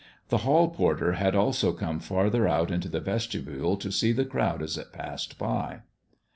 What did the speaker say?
The hall porter had also come farther out into the vestibule to see the crowd as it passed by.